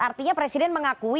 artinya presiden mengaku